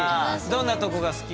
どんなとこが好き？